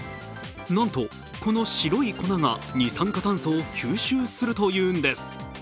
なんと、この白い粉が二酸化炭素を吸収するというんです。